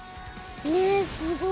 ねすごい。